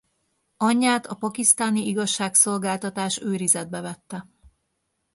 Anyját a pakisztáni igazságszolgáltatás őrizetbe vette.